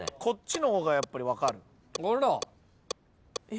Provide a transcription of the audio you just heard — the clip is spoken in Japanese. こっちの方がやっぱり分かる。